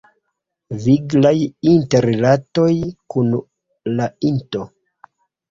Viglaj interrilatoj kun la int.